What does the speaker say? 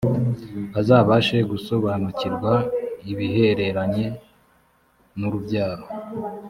bazabashe gusobanukirwa ibihereranye n’urubyaro